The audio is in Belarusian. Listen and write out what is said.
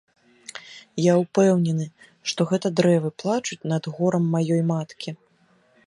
Я ўпэўнены, што гэта дрэвы плачуць над горам маёй маткі.